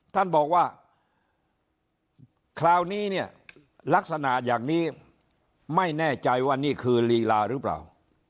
ท่านบอกว่าคราวนี้เนี่ยลักษณะอย่างนี้ไม่แน่ใจว่านี่คือลีลาหรือเปล่า